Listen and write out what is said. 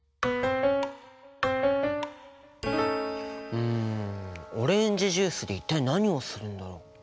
うんオレンジジュースで一体何をするんだろう？